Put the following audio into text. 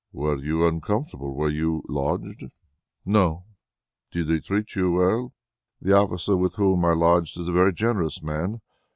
"Were you uncomfortable where you lodged?" "No." "Did they treat you well?" "The officer with whom I lodged is a very generous man.